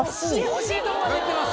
惜しいとこまでいってます。